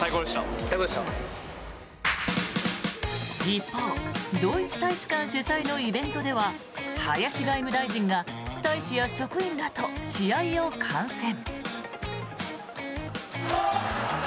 一方、ドイツ大使館主催のイベントでは林外務大臣が大使や職員らと試合を観戦。